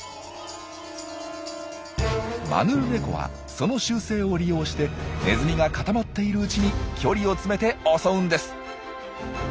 マヌルネコはその習性を利用してネズミが固まっているうちに距離を詰めて襲うんです。